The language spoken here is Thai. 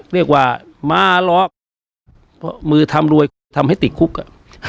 เรียกว่ามาหลอกเพราะมือทำรวยกว่าจะทำให้ติดคุกอ่ะ